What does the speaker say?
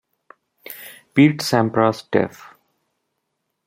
Pete Sampras def.